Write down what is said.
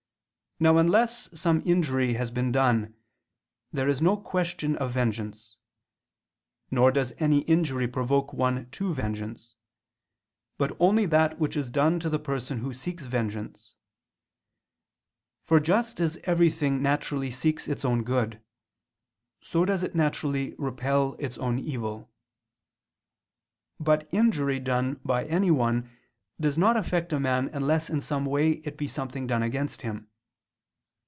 Now unless some injury has been done, there is no question of vengeance: nor does any injury provoke one to vengeance, but only that which is done to the person who seeks vengeance: for just as everything naturally seeks its own good, so does it naturally repel its own evil. But injury done by anyone does not affect a man unless in some way it be something done against him.